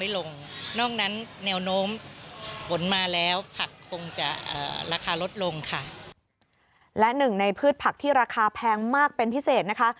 และหนึ่งในพืชผักที่ราคาแพงมากเป็นพิเศษนะคะ